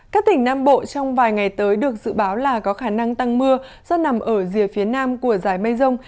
các tỉnh nam bộ trong vài ngày tới được dự báo là có khả năng tăng mưa do nằm ở rìa phía nam của giải mây rông